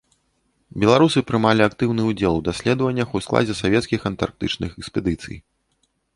Беларусы прымалі актыўны ўдзел у даследваннях у складзе савецкіх антарктычных экспедыцый.